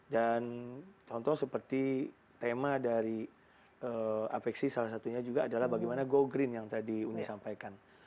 dan contoh seperti tema dari apeksi salah satunya juga adalah bagaimana go green yang tadi uny sampaikan